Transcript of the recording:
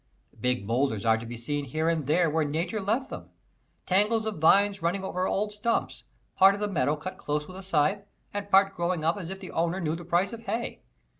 Big boulders are to be seen here and there where Nature left them, tangles of vines running over old stumps, part of the meadow cut close with a scythe, and part growing up as if the owner knew the price of hay.